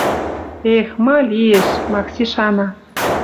«Эх, ма лиэш, — Макси шана, —